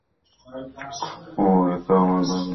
ওহ, এ তো আমার ভাবি তারান ভিতরে!